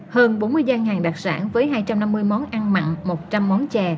hơn bốn mươi gian hàng đặc sản với hai trăm năm mươi món ăn mặn một trăm linh món chè